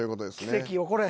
奇跡起これ。